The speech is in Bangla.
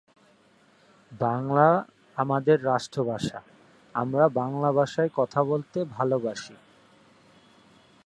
অনেক ধরনের খাবার প্রস্তুত হতে পারে।